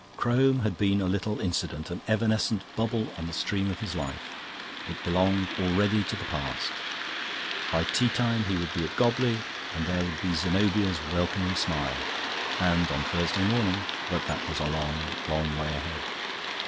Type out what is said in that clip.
Crome had been a little incident, an evanescent bubble on the stream of his life; it belonged already to the past. By tea time he would be at Gobley, and there would be Zenobia's welcoming smile. And on Thursday morning but that was a long, long way ahead.